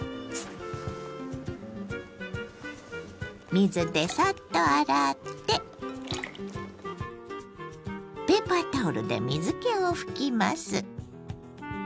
水でサッと洗ってペーパータオルで水けを拭きます。